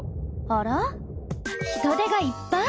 あら？ヒトデがいっぱい。